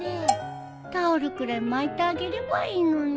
タオルくらい巻いてあげればいいのに。